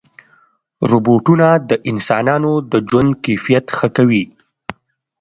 روبوټونه د انسانانو د ژوند کیفیت ښه کوي.